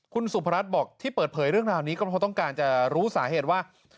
คุณสุพรัชบอกที่เปิดเผยเรื่องราวนี้ก็เพราะต้องการจะรู้สาเหตุว่า